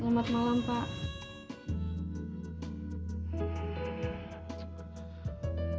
selamat malam pak